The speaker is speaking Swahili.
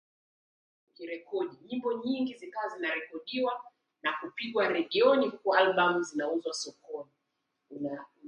Nyimbo nyingi zikawa zinarekodiwa na kupigwa redioni huku albamu zinauzwa sokoni